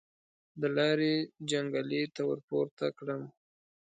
د لارۍ جنګلې ته ورپورته کړم.